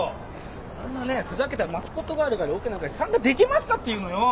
あんなねふざけたマスコットガールがいるオケなんかに参加できますかっていうのよ！